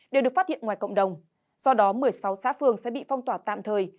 đều được phát hiện ngoài cộng đồng do đó một mươi sáu xã phường sẽ bị phong tỏa tạm thời